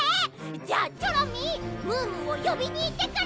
じゃあチョロミームームーをよびにいってくる！